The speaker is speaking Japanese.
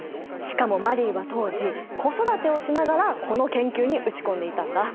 しかもマリーは当時子育てをしながらこの研究に打ち込んでいたんだ。